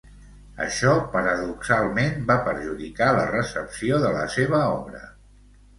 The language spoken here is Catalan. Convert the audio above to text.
Això, paradoxalment, va perjudicar la recepció de la seva obra.